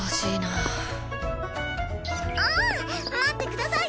あん待ってください